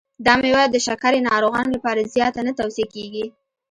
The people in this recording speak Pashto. دا مېوه د شکرې ناروغانو لپاره زیاته نه توصیه کېږي.